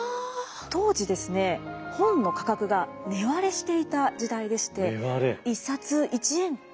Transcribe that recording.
当時ですね本の価格が値割れしていた時代でして。